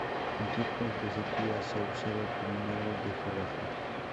En tiempos de sequía, se ha usado como un árbol de forraje.